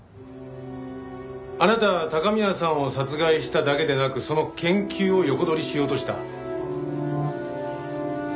あなたは高宮さんを殺害しただけでなくその研究を横取りしようとした。